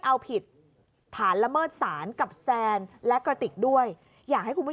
เอาผิดฐานละเมิดศาลกับแซนและกระติกด้วยอยากให้คุณผู้ชม